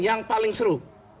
yang paling seru